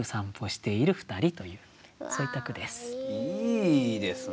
いいですね。